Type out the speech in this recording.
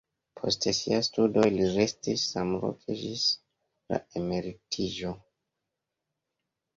Post siaj studoj li restis samloke ĝis la emeritiĝo.